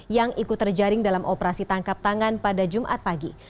yang ikut terjaring dalam operasi tangkap tangan pada jumat pagi